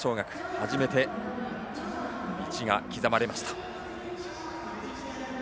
初めて１が刻まれました。